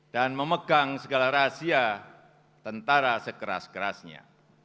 dan memegang segala rahasia tentara sekeras kerasnya